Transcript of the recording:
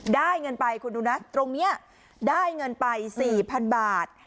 ได้เงินไปคุณดูนะตรงนี้ได้เงินไป๔๐๐๐บาท